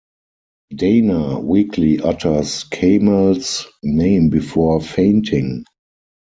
Dana weakly utters Kemal's name before fainting.